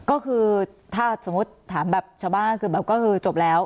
ก็คือถ้าสมมุติถามแบบชาวบ้านคือแบบก็คือจบแล้ว